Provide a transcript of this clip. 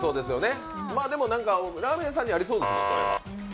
ラーメン屋さんにありそうですよね。